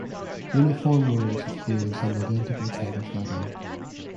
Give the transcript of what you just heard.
Uniform rows of graves and identical type of lettering.